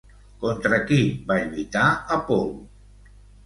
Contra qui va lluitar Apol·lo?